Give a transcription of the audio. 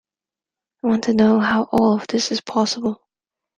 I want to know how all this is possible.